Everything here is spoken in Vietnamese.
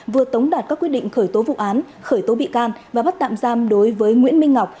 vừa tống đạt các quyết định khởi tố vụ án khởi tố bị can và bắt tạm giam đối với nguyễn minh ngọc